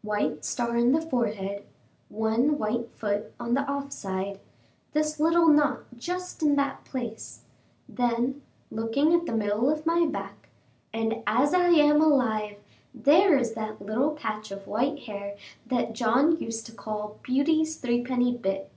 "White star in the forehead, one white foot on the off side, this little knot just in that place"; then, looking at the middle of my back "and as I am alive, there is that little patch of white hair that John used to call 'Beauty's threepenny bit.'